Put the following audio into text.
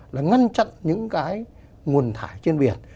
là ngăn chặn những cái nguồn thải trên biển